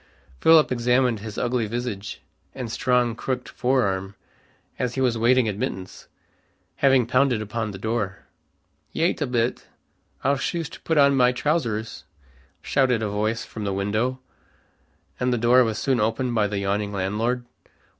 Philip examined his ugly visage and strong crooked fore arm, as he was waiting admittance, having pounded upon the door. "Yait a bit. I'll shoost put on my trowsers," shouted a voice from the window, and the door was soon opened by the yawning landlord.